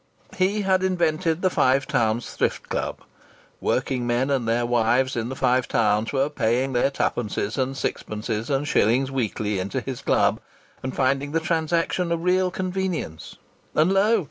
He had invented the Five Towns Thrift Club; working men and their wives in the Five Towns were paying their twopences and sixpences and shillings weekly into his club, and finding the transaction a real convenience and lo!